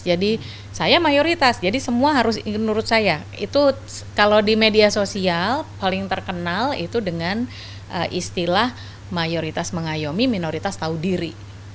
jadi saya mayoritas jadi semua harus menurut saya itu kalau di media sosial paling terkenal itu dengan istilah mayoritas mengayomi minoritas tahu diri